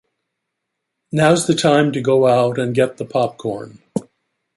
Now's the time to go out and get the popcorn.